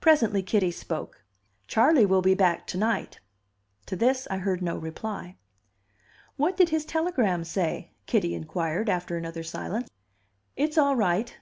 Presently Kitty spoke. "Charley will be back to night." To this I heard no reply. "What did his telegram say?" Kitty inquired, after another silence. "It's all right."